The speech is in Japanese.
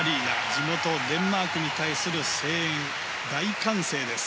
地元デンマークに対する声援大歓声です。